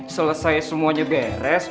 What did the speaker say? selesai semuanya beres